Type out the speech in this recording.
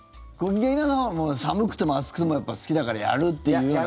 劇団さんは寒くても暑くても好きだからやるっていうような。